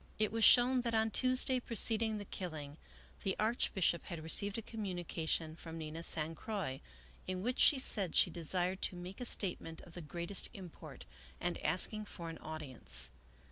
It was shown that on Tuesday preceding the killing the Archbishop had received a communication from Nina San Croix, in which she said she desired to make a statement of the greatest import, and asking for an audience.